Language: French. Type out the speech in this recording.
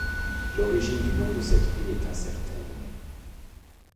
L'origine du nom de cette rue est incertaine.